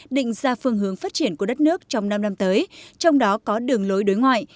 định ra phương hướng phát triển của đất nước trong năm năm tới trong đó có đường lối đối ngoại